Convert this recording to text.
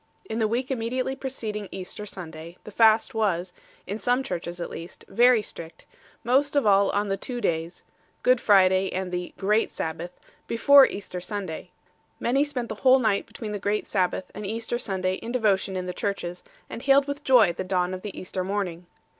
In the week immediately preceding Easter Sunday the fast was (in some Churches at least) very strict, most of all on the two days Good Friday and the "Great Sabbath" before Easter Sunday 6 . Many spent the whole night between the Great Sabbath and Easter Sunday in devotion in the churches 7 , and hailed with joy the dawn of the Easter morning.